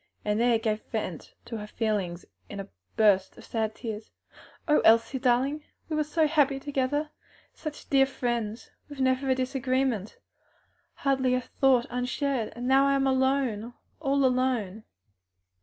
and there gave vent to her feelings in a burst of tears. "O Elsie, darling! we were so happy together! such dear friends! with never a disagreement, hardly a thought unshared! And now I am alone! all alone!"